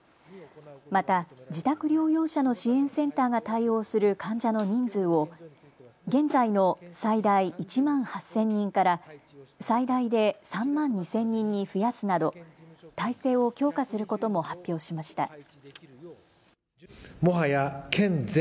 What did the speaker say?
また自宅療養者の支援センターが対応する患者の人数を現在の最大１万８０００人から最大で３万２０００人に増やすなど体制を強化することも発表しました。